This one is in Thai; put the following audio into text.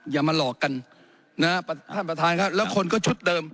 อย่ามาหลอกกันนะฮะท่านประธานครับแล้วคนก็ชุดเดิม